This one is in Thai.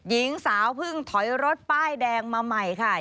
หญิงสาวเพิ่งถอยรถป้ายแดงมาใหม่ค่ะ